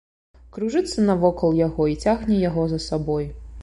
Кружыцца навокал яго і цягне яго за сабой.